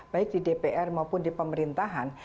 baik di dpr maupun di pemerintahan